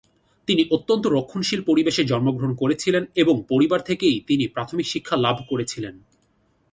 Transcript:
তিনি অত্যন্ত রক্ষণশীল পরিবেশে জন্মগ্রহণ করেছিলেন এবং পরিবার থেকেই তিনি প্রাথমিক শিক্ষা লাভ করেছিলেন।